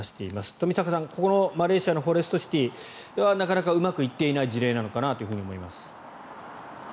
冨坂さん、このマレーシアのフォレストシティーはなかなかうまくいっていない事例なのかなと思います。